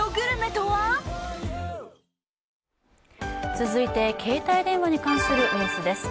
続いて、携帯電話に関するニュースです。